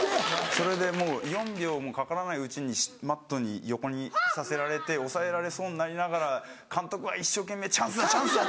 それでもう４秒もかからないうちにマットに横にさせられて押さえられそうになりながら監督は一生懸命「チャンスだチャンスだ！」。